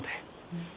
うん。